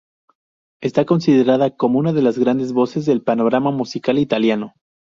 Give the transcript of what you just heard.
Está considerada como una de las grandes voces del panorama musical italiano.